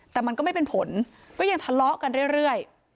แต่มันก็ไม่เป็นผลก็ยังทะเลาะกันเรื่อย